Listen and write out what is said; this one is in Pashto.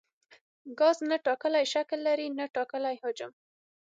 ګاز نه ټاکلی شکل لري نه ټاکلی حجم.